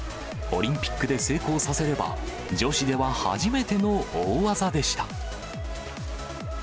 オリンピックで成功させれば、女子では初めての大技でした。